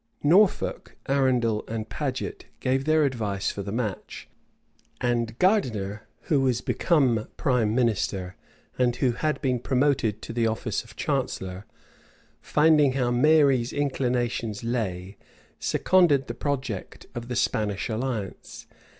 Norfolk, Arundel, and Paget, gave their advice for the match: and Gardiner, who was become prime minister, and who had been promoted to the office of chancellor, finding how Mary's inclinations lay, seconded the project of the Spanish alliance.